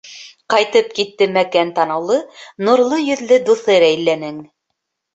Ҡайтып китте мәкән танаулы, нурлы йөҙлө дуҫы Рәйләнең.